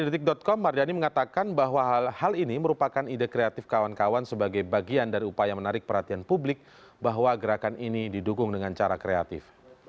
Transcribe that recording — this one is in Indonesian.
di detik com mardani mengatakan bahwa hal ini merupakan ide kreatif kawan kawan sebagai bagian dari upaya menarik perhatian publik bahwa gerakan ini didukung dengan cara kreatif